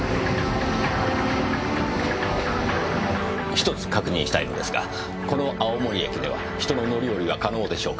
１つ確認したいのですがこの青森駅では人の乗り降りは可能でしょうか？